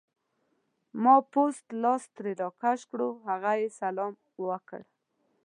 ما پوست لاس ترې راکش کړو، هغه یې سلام وکړ.